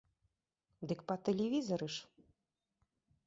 Дык па тэлевізары ж!